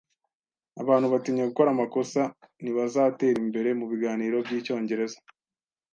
Abantu batinya gukora amakosa ntibazatera imbere mubiganiro byicyongereza